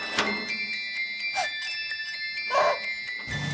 あっ。